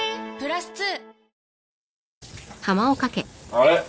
あれ？